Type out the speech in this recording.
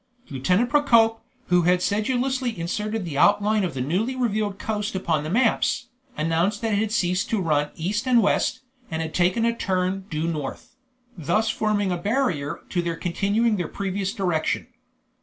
Lieutenant Procope, who had sedulously inserted the outline of the newly revealed shore upon the maps, announced that it had ceased to run east and west, and had taken a turn due north, thus forming a barrier to their continuing their previous direction.